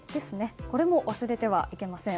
これも忘れてはいけません。